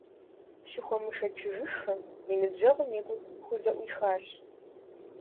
Щыхуэмышэчыжыххэм, и ныбжьэгъум и гур хузэӀуихащ.